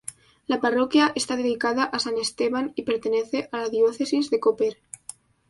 La parroquia está dedicada a San Esteban y pertenece a la diócesis de Koper.